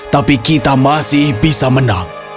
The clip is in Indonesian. tapi kita masih bisa menang